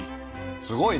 すごいね。